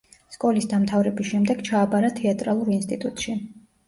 სკოლის დამთავრების შემდეგ ჩააბარა თეატრალურ ინსტიტუტში.